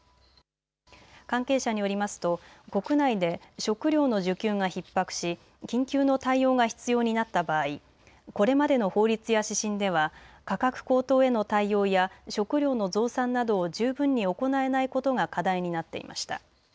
関係者によりますと国内で食料の需給がひっ迫し緊急の対応が必要になった場合、これまでの法律や指針では価格高騰への対応や食料の増産などを十分に行えないことが課題になっていました。